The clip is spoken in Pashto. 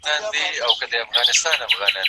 زه هره ورځ موبایل کاروم!؟